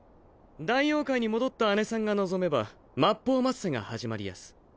大妖怪に戻ったアネさんが望めば末法末世が始まりやす。